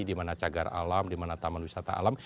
di mana cagar alam di mana taman wisata alam